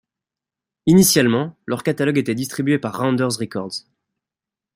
Initialement, leur catalogue était distribué par Rounder Records.